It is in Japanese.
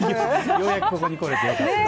ようやくここに来られてよかったです。